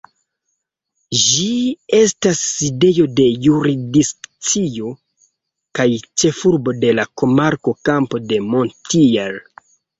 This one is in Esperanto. Ĝi estas sidejo de jurisdikcio kaj ĉefurbo de la komarko Campo de Montiel.